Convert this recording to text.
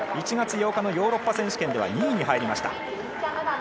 １月８日のヨーロッパ選手権では２位に入りました。